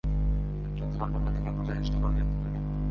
একটি উদাহরণের মাধ্যমে বোঝার চেষ্টা করা যেতে পারে।